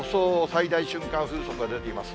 最大瞬間風速が出ています。